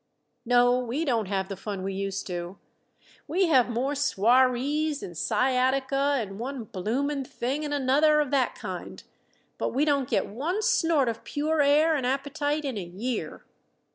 "No, we don't have the fun we used to. We have more swarrees and sciatica and one bloomin' thing and another of that kind, but we don't get one snort of pure air and appetite in a year.